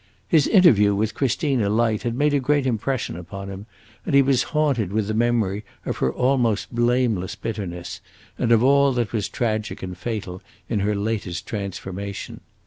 His interview with Christina Light had made a great impression upon him, and he was haunted with the memory of her almost blameless bitterness, and of all that was tragic and fatal in her latest transformation.